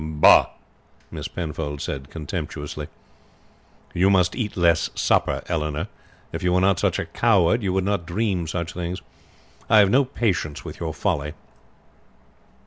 '" "Bah!" Miss Penfold said contemptuously. "You must eat less supper, Eleanor. If you were not such a coward you would not dream such things. I have no patience with your folly."